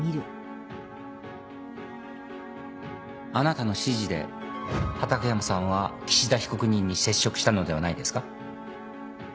あなたの指示で畠山さんは岸田被告人に接触したのではないですか。